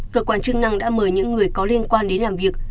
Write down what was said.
cơ quan chức năng đã mời những người có liên quan đến làm việc